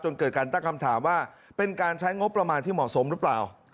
เกิดการตั้งคำถามว่าเป็นการใช้งบประมาณที่เหมาะสมหรือเปล่า